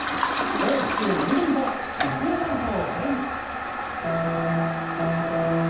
大きく伸び伸びと「ラジオ体操第２」。